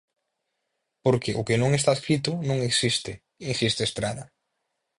Porque o que non está escrito, non existe, insiste Estrada.